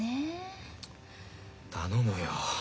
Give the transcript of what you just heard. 頼むよ。